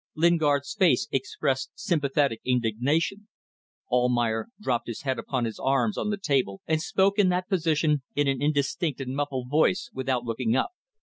Lingard's face expressed sympathetic indignation. Almayer dropped his head upon his arms on the table, and spoke in that position in an indistinct and muffled voice, without looking up.